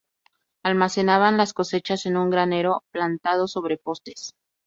Almacenaban las cosechas en un granero plantado sobre postes.